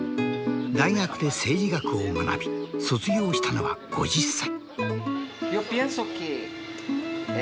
大学で政治学を学び卒業したのは５０歳。